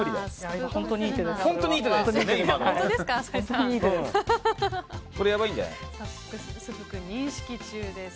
本当にいい手です。